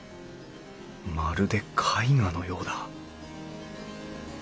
まるで絵画のようだ